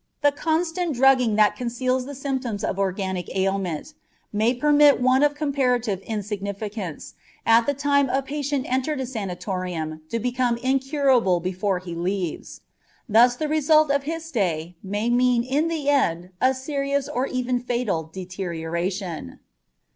The constant drugging that conceals the symptoms of organic ailment may permit one of comparative insignificance at the time a patient entered a sanatorium to become incurable before he leaves. Thus the result of his stay may mean in the end a serious or even fatal deterioration.